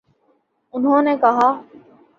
انہوں نے کہا